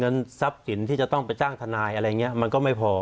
ทรัพย์สินที่จะต้องไปจ้างทนายอะไรอย่างนี้มันก็ไม่พอ